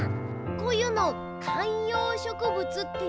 こういうの「かんようしょくぶつ」っていうの？